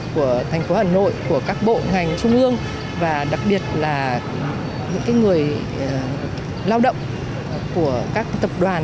của thành phố hà nội của các bộ ngành trung ương và đặc biệt là những người lao động của các tập đoàn